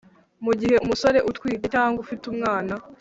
Mu gihe umugore utwite cyangwa ufite umwana